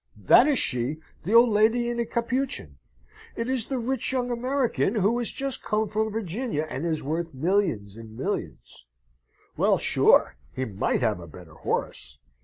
That is she, the old lady in the capuchin. It is the rich young American who is just come from Virginia, and is worth millions and millions. Well, sure, he might have a better horse."